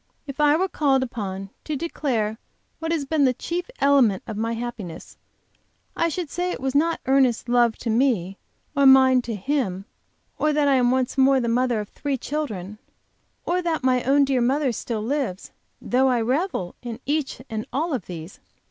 If I were called upon to declare what has been the chief element of my happiness, I should say it was not Ernest's love to me or mine to him, or that I am once more the mother of three children, or that my own dear mother still lives, though I revel in each and all of these.